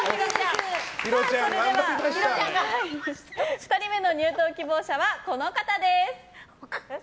２人目の入党希望者はこの方です。